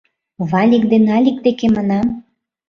Валик ден Алик деке, манам.